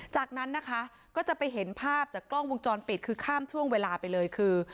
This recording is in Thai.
จากนั้นนะคะก็จะไปเห็นภาพจากกล้องวงจรปิดคือข้ามช่วงเวลาไปเลยคือ